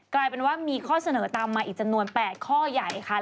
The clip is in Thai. กลายเป็นว่ามีข้อเสนอตามมาอีกจำนวน๘ข้อใหญ่ค่ะ